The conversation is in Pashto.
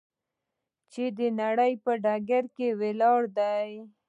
چې د نړۍ په ډګر کې ولاړ دی.